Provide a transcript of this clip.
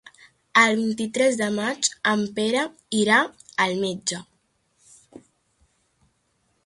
El vint-i-tres de maig en Pere irà al metge.